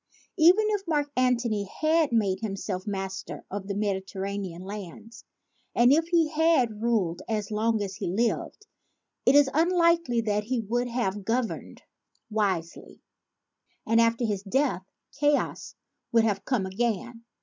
Even if Mark Antony had made himself master of the Mediterranean lands, and if he had ruled as long as he lived, it is unlikely that he would have governed 132 ON THE LENGTH OF CLEOPATRA'S NOSE wisely; and after his death, chaos would have come again.